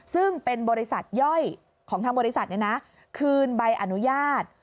ซึ่งเป็นบริษัทย่อยของทางบริษัทคืนใบอนุญาต